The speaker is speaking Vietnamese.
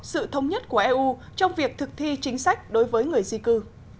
sự thống nhất của eu trong việc thực thi chính sách đối với người di cư